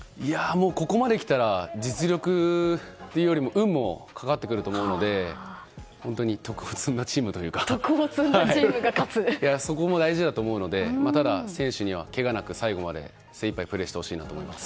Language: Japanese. ここまで来たら実力というよりも運もかかってくると思うので徳を積んだチームというかそこも大事だと思うのでただ、選手にはけがなく最後まで精いっぱいプレーしてほしいなと思います。